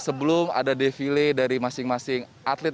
sebelum ada defile dari masing masing atlet